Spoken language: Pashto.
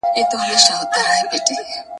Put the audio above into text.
په سرو اوښکو یې د چرګ خواته کتله !.